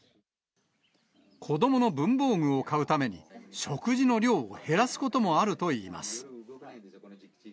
子どもの文房具を買うために、食事の量を減らすこともあるといいます。